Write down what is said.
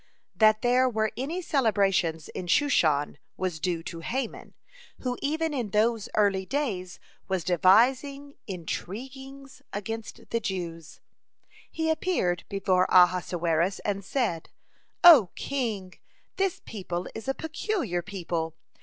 (14) That there were any celebrations in Shushan was due to Haman, who even in those early days was devising intrigues against the Jews. He appeared before Ahasuerus, and said: "O king, this people is a peculiar people.